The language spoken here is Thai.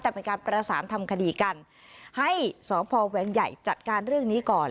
แต่เป็นการประสานทำคดีกันให้สพแวงใหญ่จัดการเรื่องนี้ก่อน